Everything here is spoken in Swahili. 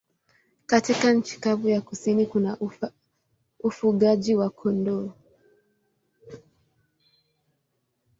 Katika nchi kavu ya kusini kuna ufugaji wa kondoo.